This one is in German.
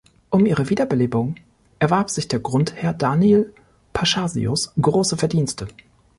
Um ihre Wiederbelebung erwarb sich der Grundherr Daniel Paschasius große Verdienste.